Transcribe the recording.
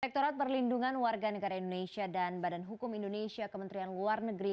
rektorat perlindungan warga negara indonesia dan badan hukum indonesia kementerian luar negeri